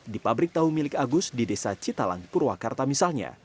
di pabrik tahu milik agus di desa citalang purwakarta misalnya